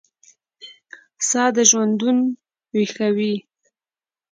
ساه دژوندون ویښوي